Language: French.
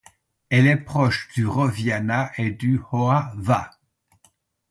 Elle est proche du roviana et du hoava.